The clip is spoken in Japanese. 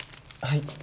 はい。